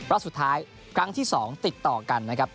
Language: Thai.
รอบสุดท้ายครั้งที่๒ติดต่อกันนะครับ